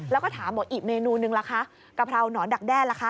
แล้วก็ถามบอกอีกเมนูนึงล่ะคะกะเพราหนอนดักแด้ล่ะคะ